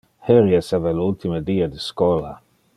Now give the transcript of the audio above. Heri esseva le ultime die de schola.